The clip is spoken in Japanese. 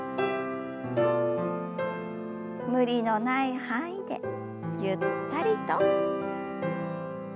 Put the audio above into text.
無理のない範囲でゆったりと。